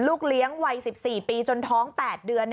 ลูกเลี้ยงวัย๑๔ปีจนท้อง๘เดือน